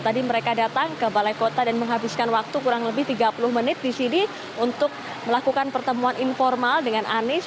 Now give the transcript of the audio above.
tadi mereka datang ke balai kota dan menghabiskan waktu kurang lebih tiga puluh menit di sini untuk melakukan pertemuan informal dengan anies